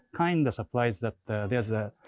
saya juga terasa bahwa